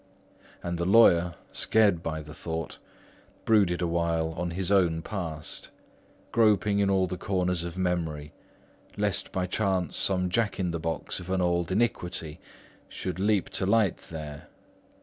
And the lawyer, scared by the thought, brooded awhile on his own past, groping in all the corners of memory, least by chance some Jack in the Box of an old iniquity should leap to light there.